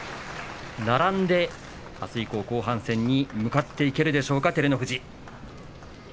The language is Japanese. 並んで、あす以降の後半戦に向かっていけるでしょうか照ノ富士。